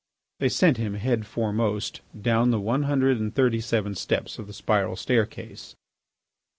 They sent him, head foremost, down the one hundred and thirty seven steps of the spiral staircase.